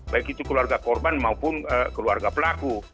baik itu keluarga korban maupun keluarga pelaku